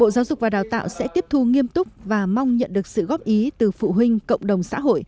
bộ giáo dục và đào tạo sẽ tiếp thu nghiêm túc và mong nhận được sự góp ý từ phụ huynh cộng đồng xã hội để hoàn thiện sách giáo khoa đổi mới